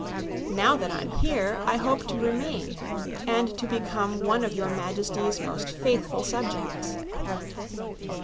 Now that I'm here, I hope to remain, and to become one of your Majesty's most faithful subjects."